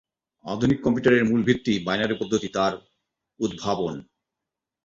আধুনিক কম্পিউটারের মূল ভিত্তি বাইনারি পদ্ধতি তার উদ্ভাবন।